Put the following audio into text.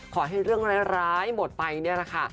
ขอให้เรื่องร้ายหมดไปนี่แหละค่ะ